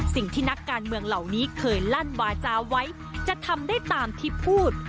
สิ่งที่นักการเมืองเหล่านี้เคยลั่นวาจาไว้จะทำได้ตามที่พูด